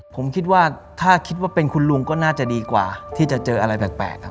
ผมคิดว่าถ้าคิดว่าเป็นคุณลุงก็น่าจะดีกว่าที่จะเจออะไรแปลกครับ